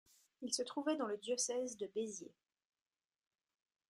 Il se trouvait dans le diocèse de Béziers.